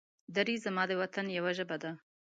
دري زما د وطن يوه ژبه ده.